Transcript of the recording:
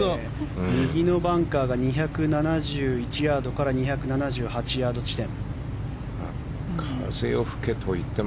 右のバンカーが２７１ヤードから２７８ヤード地点。